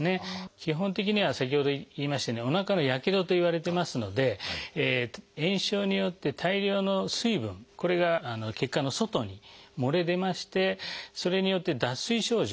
基本的には先ほど言いましたようにおなかのやけどといわれてますので炎症によって大量の水分これが血管の外に漏れ出ましてそれによって脱水症状